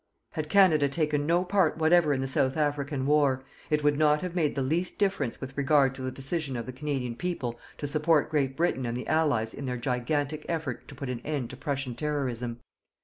Had Canada taken no part whatever in the South African War, it would not have made the least difference with regard to the decision of the Canadian people to support Great Britain and the Allies in their gigantic effort to put an end to Prussian terrorism.